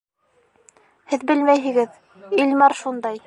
Һеҙ белмәйһегеҙ, Илмар шундай...